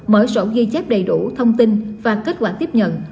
mở sổ ghi chép đầy đủ thông tin và kết quả tiếp nhận